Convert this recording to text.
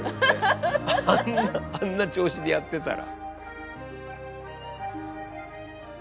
あんなあんな調子でやってたら。